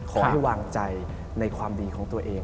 ขอให้วางใจในความดีของตัวเอง